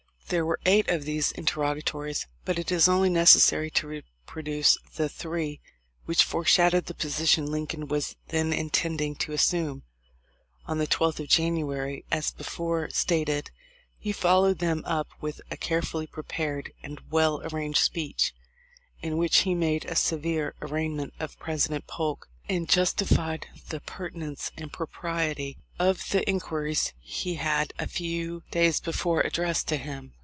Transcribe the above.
There were eight of these interrogatories, but it is only necessary to reproduce the three which fore shadow the position Lincoln was then intending to assume. On the 12th of January, as before stated, he followed them up with a carefully prepared and well arranged speech, in which he made a severe arraignment of President Polk and justified the per tinence and propriety of the inquiries he had a few 278 THE LIFE 0F LINCOLN. days before addressed to him.